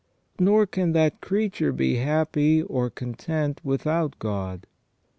Nor can that creature be happy or content without God.